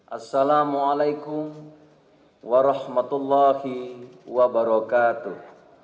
assalamu'alaikum warahmatullahi wabarakatuh